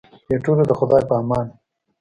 ایټوره د خدای په امان.